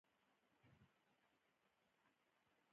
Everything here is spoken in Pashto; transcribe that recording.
دا پلچکونه د یو یا څو پایپونو څخه جوړیږي